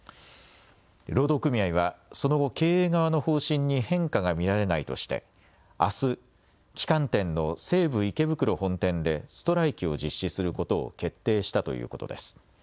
労働組合はその後、経営側の方針に変化が見られないとして、あす、旗艦店の西武池袋本店でストライキを実施することを決定したということです。